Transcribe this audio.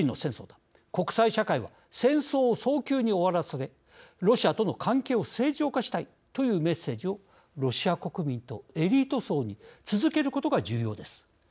国際社会は戦争を早急に終わらせロシアとの関係を正常化したいというメッセージをロシア国民とエリート層に続けることが重要です。